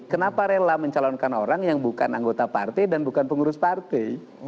kenapa rela mencalonkan orang yang bukan anggota partai dan bukan pengurus partai